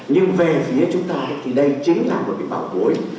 nhưng về phía chúng ta thì đây chính là một cái bảo gối